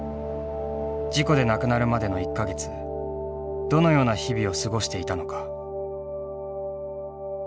事故で亡くなるまでの１か月どのような日々を過ごしていたのか。